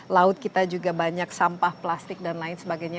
laut kita juga banyak sampah plastik dan lain sebagainya